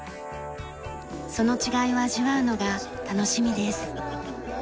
その違いを味わうのが楽しみです。